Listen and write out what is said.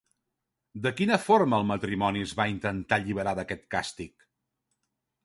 De quina forma el matrimoni es va intentar alliberar d'aquest càstig?